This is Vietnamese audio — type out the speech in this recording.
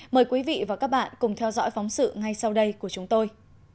mời quý vị và các bạn cùng theo dõi phóng sự ngay sau đây của chúng tôi